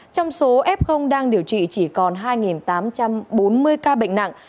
trong số f đang điều trị chỉ còn hai tám trăm bốn mươi ca bệnh nặng